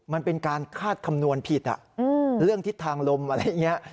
มันเป็นการคาดคำนวณผิดเรื่องทิศทางลมอะไรอย่างนี้